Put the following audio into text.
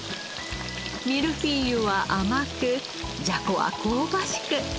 ミルフィーユは甘くじゃこは香ばしく。